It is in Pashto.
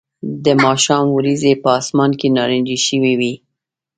د ماښام وریځې په آسمان کې نارنجي شوې وې